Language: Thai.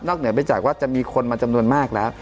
เหนือไปจากว่าจะมีคนมาจำนวนมากแล้ว